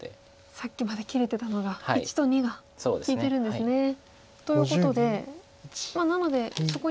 さっきまで切れてたのが①と②が利いてるんですね。ということでなのでそこにマガればと。